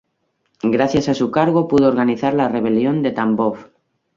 Gracias a su cargo pudo organizar la rebelión de Tambov.